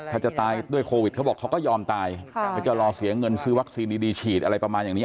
ถ้าจะตายด้วยโควิดเขาบอกเขาก็ยอมตายเขาจะรอเสียเงินซื้อวัคซีนดีฉีดอะไรประมาณอย่างนี้